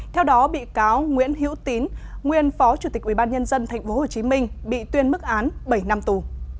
theo đó bị cáo nguyễn hữu tín nguyên phó chủ tịch ubnd tp hcm bị tuyên mức án bảy năm tù